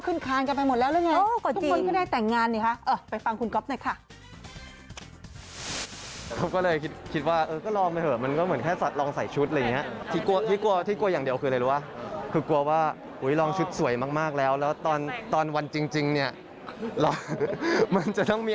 เก็บตังค์ก่อนยังไม่แต่งเก็บตังค์กันก่อน